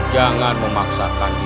jangan memaksakan diri